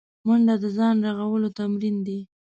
منډه د ځان رغولو تمرین دی